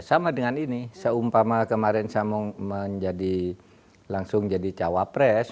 sama dengan ini seumpama kemarin saya mau menjadi langsung jadi cawapres